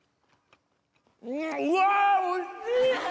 うわおいしい！